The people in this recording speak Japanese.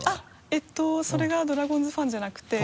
えっとそれがドラゴンズファンじゃなくて。